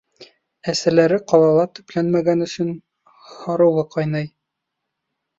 Әсәләре ҡалала төпләнмәгән өсөн һарыуы ҡайнай.